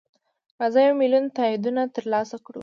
راځه یو میلیون تاییدونه ترلاسه کړو.